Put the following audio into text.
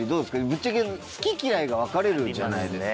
ぶっちゃけ好き嫌いが分かれるじゃないですか。